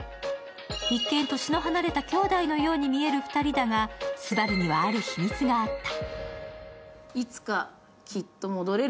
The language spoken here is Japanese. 一見、年の離れたきょうだいのように見える２人だが、昴にはある秘密があった。